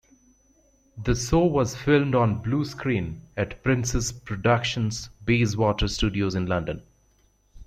The show was filmed on bluescreen at Princess Productions' Bayswater Studios in London.